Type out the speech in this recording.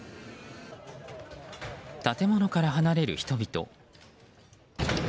建物から離れる人々。